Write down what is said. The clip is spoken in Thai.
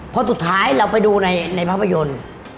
เพราะสุดท้ายเราไปดูในภาพยนตร์